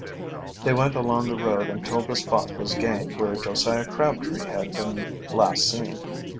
They went along the road until the spot was gained where Josiah Crabtree had been last seen.